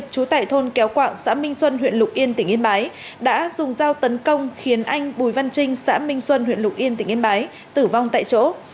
chú tại thôn kéo quạng xã minh xuân huyện lục yên tỉnh yên bái đã dùng dao tấn công khiến anh bùi văn trinh xã minh xuân huyện lục yên tỉnh yên bái tử vong tại chỗ